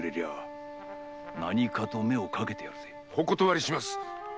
お断りします！